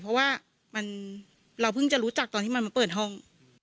เพราะว่าเราเพิ่งจะรู้จักตอนที่มันมาเปิดห้อง